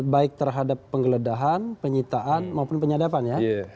baik terhadap penggeledahan penyitaan maupun penyadapan ya